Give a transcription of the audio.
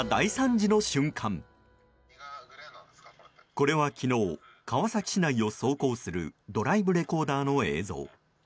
これは昨日川崎市内を走行するドライブレコーダーの映像。